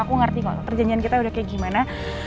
aku ngerti kok perjanjian kita udah kayak gimana